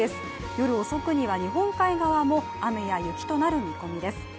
夜遅くには日本海側も雨や雪となる見込みです。